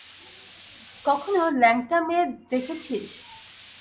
কখনো ল্যাংটা মেয়ে দেখেছিস?